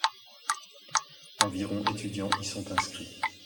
Environ étudiants y sont inscrits.